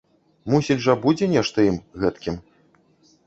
Мусіць жа, будзе нешта ім, гэткім?